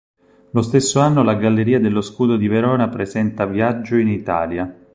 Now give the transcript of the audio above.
Lo stesso anno la Galleria dello Scudo di Verona presenta "Viaggio in Italia".